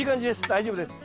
大丈夫です。